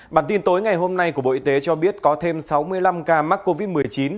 bản tin tối ngày hôm nay của bộ y tế cho biết có thêm sáu mươi năm ca mắc covid một mươi chín